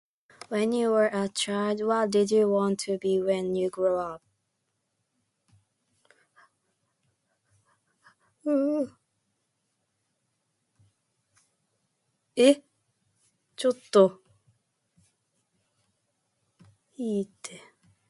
When you were a child, what did you want to be when you grew up? [Japanese?]